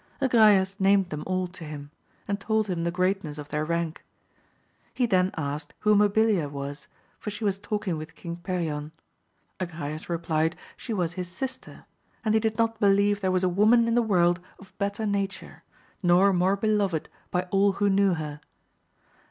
Agrayes named them all to him, and told him the greatness of their rank. He then asked who Mabilia was, for she was talking with King Perion. Agrayes replied she was his sister, and he did not believe there was a woman in the world of better nature, nor more beloved by all who knew her.